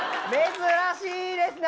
珍しいですね。